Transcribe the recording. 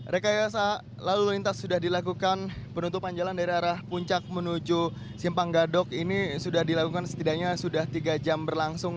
rekayasa lalu lintas sudah dilakukan penutupan jalan dari arah puncak menuju simpang gadok ini sudah dilakukan setidaknya sudah tiga jam berlangsung